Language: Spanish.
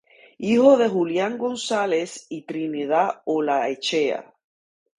Hijo de Julián Gonzáles y Trinidad Olaechea.